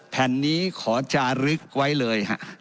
แผ่นนี้ขอจารึกไว้เลยฮะ